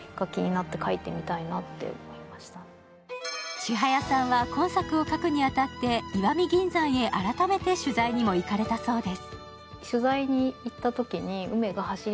千早さんは今作を書くに当たって石見銀山へ改めて取材にも行かれたそうです。